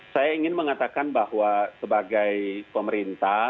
saya ingin mengatakan bahwa sebagai pemerintah